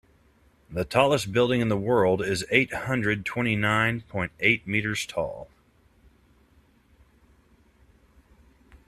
The tallest building in the world is eight hundred twenty nine point eight meters tall.